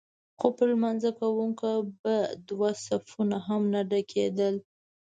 خو پر لمانځه کوونکو به دوه صفونه هم نه ډکېدل.